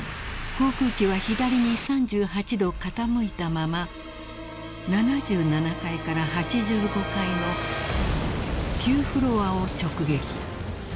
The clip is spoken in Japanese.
航空機は左に３８度傾いたまま７７階から８５階の９フロアを直撃］